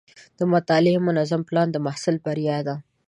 د مطالعې منظم پلان د محصل بریا ده.